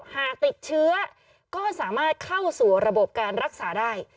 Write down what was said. หากติดเชื้อก็สามารถเข้าสู่ระบบการรักษาได้